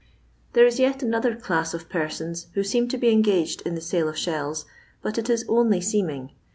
There is yet another class of persons who seem to be engaged in the sale of shells, but it is only seeming.